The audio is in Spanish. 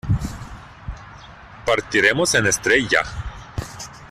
partiremos en estrella.